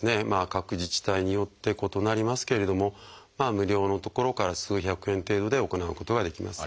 各自治体によって異なりますけれども無料のところから数百円程度で行うことができます。